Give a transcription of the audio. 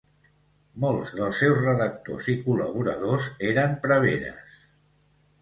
Molts dels seus redactors i col·laboradors eren preveres.